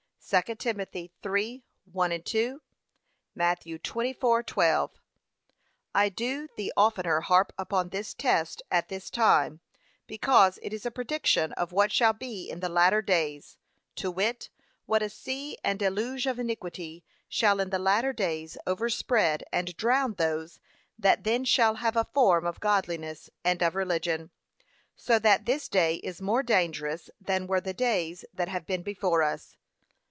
(2 Tim. 3:1, 2; Matt. 24:12) I do the oftener harp upon this test at this time, because it is a prediction of what shall be in the latter days, to wit, what a sea and deluge of iniquity shall in the latter days overspread and drown those that then shall have a form of godliness, and of religion. So that this day is more dangerous than were the days that have been before us.